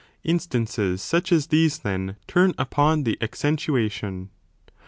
Instances such as these, then, turn upon the accentuation.